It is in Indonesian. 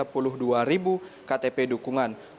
kubu ihsanuddin nursi sendiri